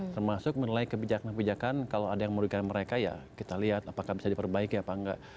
termasuk menilai kebijakan kebijakan kalau ada yang merugikan mereka ya kita lihat apakah bisa diperbaiki apa enggak